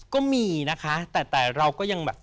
ก็มีนะคะแต่เราก็ยังแบบ